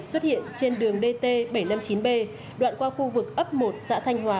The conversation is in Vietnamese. xuất hiện trên đường dt bảy trăm năm mươi chín b đoạn qua khu vực ấp một xã thanh hóa